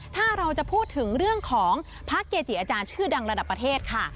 ถ้าเราจะพูดถึงเรื่องของพระเกจิอาจารย์ชื่อดังระดับประเทศค่ะ